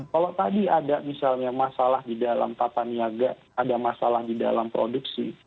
kalau tadi ada misalnya masalah di dalam tata niaga ada masalah di dalam produksi